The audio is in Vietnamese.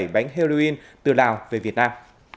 hai trăm hai mươi bảy bánh heroin từ lào về việt nam